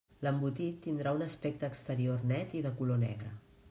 L'embotit tindrà un aspecte exterior net i de color negre.